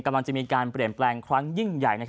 กำลังจะมีการเปลี่ยนแปลงครั้งยิ่งใหญ่